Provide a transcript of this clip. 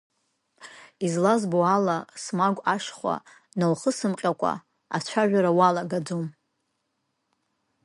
Излазбо ала, смагә ашьхәа наухысымҟьакәа ацәажәара уалагаӡом.